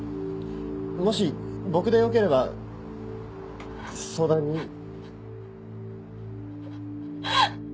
もし僕でよければ相談に。